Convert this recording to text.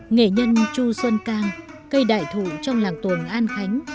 nghệ nhân chu xuân cang cây đại thụ trong làng tuồng an khánh